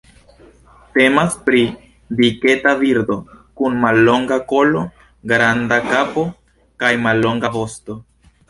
Temas pri diketa birdo, kun mallonga kolo, granda kapo kaj mallonga vosto.